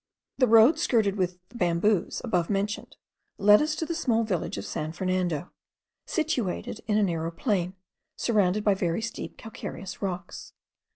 The road skirted with the bamboos above mentioned led us to the small village of San Fernando, situated in a narrow plain, surrounded by very steep calcareous rocks.